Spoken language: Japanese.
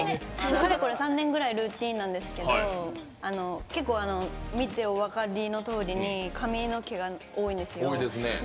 ３年ぐらいのルーティンなんですけど結構、見てお分かりのとおりに髪の毛が多いんですよ。